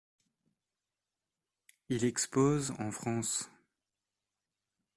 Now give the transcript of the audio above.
Il expose en France.